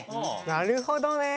なるほどね。